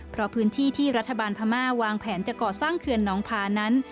เพราะพื้นที่ที่รัฐบาลพม่าวางแผนจะก่อสร้างเขื่อนน้องพานั้น